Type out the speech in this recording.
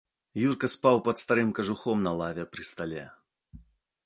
Юрка спаў пад старым кажухом на лаве пры стале.